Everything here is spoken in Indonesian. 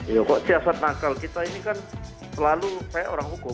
iya kok siasat nakal kita ini kan selalu saya orang hukum